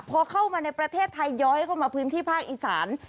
พอเข้ามาในประเทศไทยย้อยเข้ามาพื้นที่ภาคอีสาน